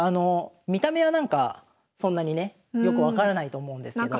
見た目はなんかそんなにねよく分からないと思うんですけど。